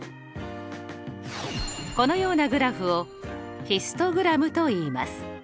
このようなグラフをヒストグラムといいます。